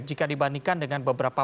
jika dibandingkan dengan beberapa